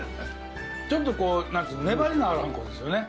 ちょっとこう、粘りのあるあんこですよね。